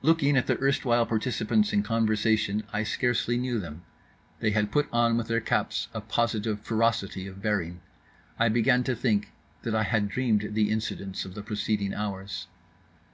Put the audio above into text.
Looking at the erstwhile participants in conversation, I scarcely knew them. They had put on with their caps a positive ferocity of bearing. I began to think that I had dreamed the incidents of the preceding hours.